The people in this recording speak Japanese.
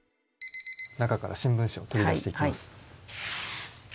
中から新聞紙を取り出していきます。